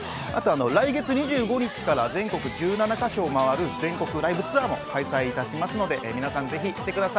あと来月２５日から全国１７か所をまわる、全国ライブツアーも開催いたしますので、ぜひ皆さん、来てください。